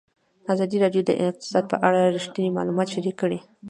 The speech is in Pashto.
ازادي راډیو د اقتصاد په اړه رښتیني معلومات شریک کړي.